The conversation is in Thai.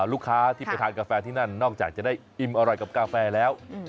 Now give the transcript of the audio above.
ลูกค้าที่ไปทานกาแฟที่นั่นนอกจากจะได้อิ่มอร่อยกับกาแฟแล้ว